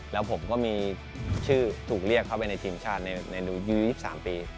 แล้วผมก็มีชื่อถูกเรียกเข้าไปในทีมชาติในรู๒๓ปี